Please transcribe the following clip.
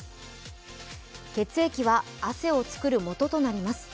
血液は、汗を作るもととなります。